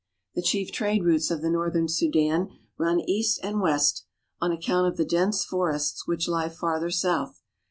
The chief trade routes of the northern Sudan run east and west, on account of the dense forests which lie farther south.